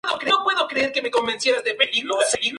Ganó la pelea por sumisión en la tercera ronda.